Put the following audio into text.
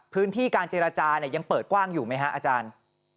พื้นที่การเจรจาเนี่ยยังเปิดกว้างอยู่ไหมฮะอาจารย์